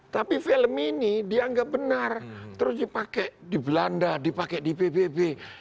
tapi film ini dianggap benar terus dipakai di belanda dipakai di pbb